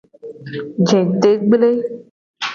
Jete gble.